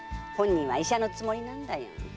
本人は医者のつもりなんだよ。